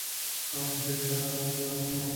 অবশেষে তারা নাখলা নামক স্থানে পৌঁছলেন।